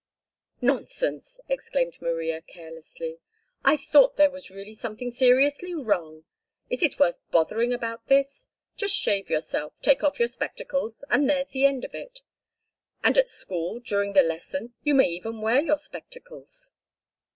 "Nonsense!" exclaimed Maria carelessly. "I thought there was really something seriously wrong. Is it worth bothering about this? Just shave yourself, take off your spectacles, and there's the end of it. And at school, during the lesson, you may even wear your spectacles."